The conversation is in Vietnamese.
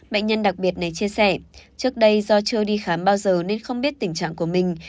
bệnh nhân đặc biệt này chia sẻ trước đây do chưa đi khám bao giờ nên không biết tình trạng của mình